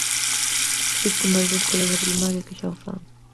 Existen varias escolas de primaria que xa o fan.